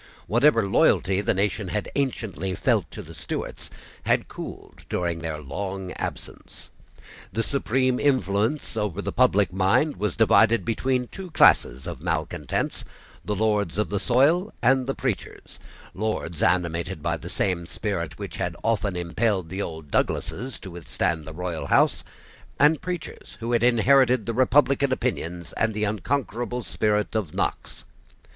Whatever loyalty the nation had anciently felt to the Stuarts had cooled during their long absence. The supreme influence over the public mind was divided between two classes of malecontents, the lords of the soil and the preachers; lords animated by the same spirit which had often impelled the old Douglasses to withstand the royal house, and preachers who had inherited the republican opinions and the unconquerable spirit of Knox.